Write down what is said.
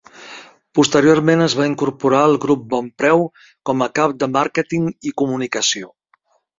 Posteriorment es va incorporar al Grup Bonpreu com a cap de màrqueting i comunicació.